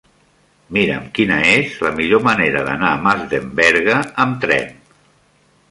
Mira'm quina és la millor manera d'anar a Masdenverge amb tren.